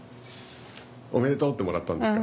おめでとうってもらったんですか。